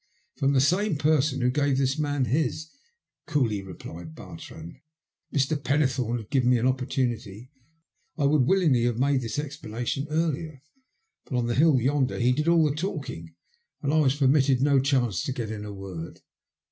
'' From the same person who gave this man his," coolly replied Bartrand. '' If Mr. Pennethome had given me an opportunity, I would willingly have made this explanation earlier. But on the hill yonder he did all the talking, and I was permitted no chance to get in a word."